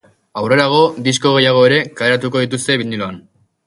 Aurrerago, disko gehiago ere kaleratuko dituzte biniloan.